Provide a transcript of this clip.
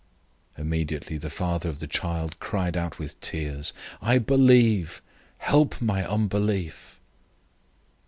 009:024 Immediately the father of the child cried out with tears, "I believe. Help my unbelief!"